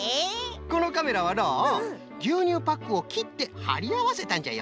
このカメラはのうぎゅうにゅうパックをきってはりあわせたんじゃよ。